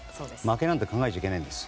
負けなんて考えちゃいけないんです。